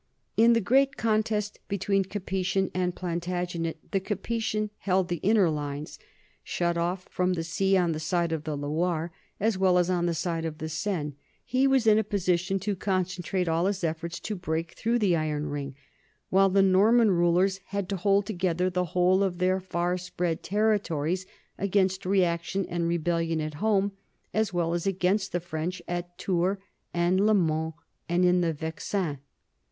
In the great contest between Capetian and Plantagenet the Capetian "held the inner lines." Shut off from the sea on the side of the Loire as well as on the side of the Seine, he was in a posi tion to concentrate all his efforts to break through the iron ring, while the Norman rulers had to hold together the whole of their far spread territories against reaction and rebellion at home as well as against the French at Tours and LeMans and in the Vexin.